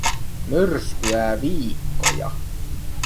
Myrskyää viikkoja.